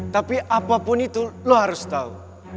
tapi apapun itu lo harus tahu